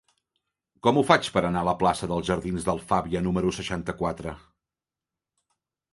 Com ho faig per anar a la plaça dels Jardins d'Alfàbia número seixanta-quatre?